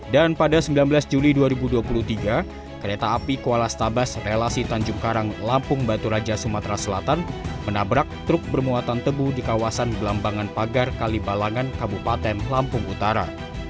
dan pada sembilan belas juli dua ribu dua puluh tiga kereta api kuala stabas relasi tanjung karang lampung batu raja sumatera selatan menabrak truk bermuatan teguh di kawasan belambangan pagar kalibalangan kabupaten lampung utara